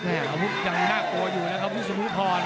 อาวุธยังน่ากลัวอยู่นะครับวิศนุพร